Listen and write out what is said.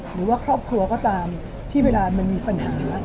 หรือว่าครอบครัวก็ตามที่เวลามันมีปัญหา